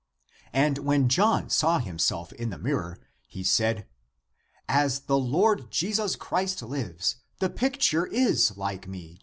And when he (John) saw him self in the mirror, he said, " As the Lord Jesus Christ lives, the picture is like me.